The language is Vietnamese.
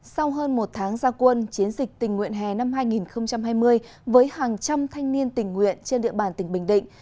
sau hơn một tháng gia quân chiến dịch tình nguyện hè năm hai nghìn hai mươi với hàng trăm thanh niên tình nguyện trên địa bàn tỉnh bình định